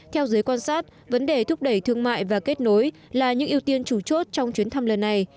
theo giới quan sát vấn đề thúc đẩy thương mại và kết nối là những ưu tiên chủ chốt trong chuyến thăm lần này